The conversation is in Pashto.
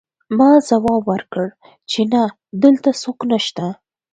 ما ځواب ورکړ چې نه دلته څوک نشته